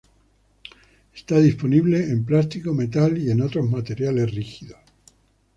Está disponible en plástico, metal y en otros materiales rígidos.